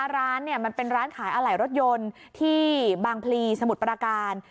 ร้านมันเป็นร้านขายอะไหล่รถยนต์ที่บางพลีสมุทรปราการ